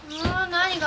何が？